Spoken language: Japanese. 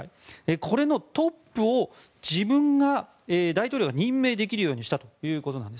これのトップを自分が、大統領が任命できるようにしたというわけなんです。